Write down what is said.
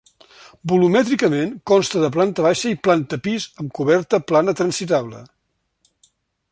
Volumètricament consta de planta baixa i planta pis amb coberta plana transitable.